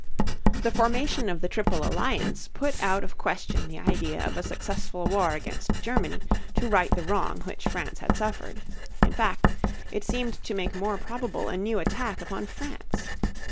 The formation of the Triple Alliance put out of question the idea of a successful war against Germany to right the wrong which France had suffered. In fact it seemed to make more probable a new attack upon France.